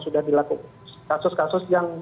sudah dilakukan kasus kasus yang